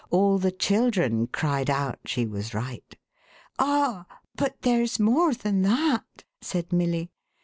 All the children cried out she was right. "Ah, but there's more than that," said Milly.